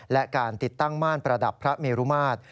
และการติดตั้งม่านประดับพระเมรุมาตร